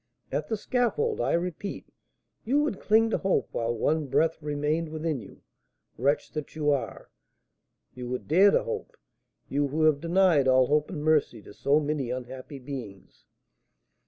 At the scaffold, I repeat, you would cling to hope while one breath remained within you; wretch that you are, you would dare to hope! you, who have denied all hope and mercy to so many unhappy beings!